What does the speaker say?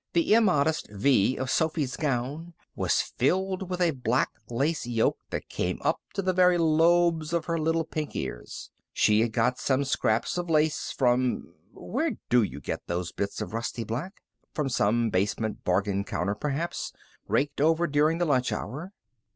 The immodest V of Sophy's gown was filled with a black lace yoke that came up to the very lobes of her little pink ears. She had got some scraps of lace from Where do they get those bits of rusty black? From some basement bargain counter, perhaps, raked over during the lunch hour.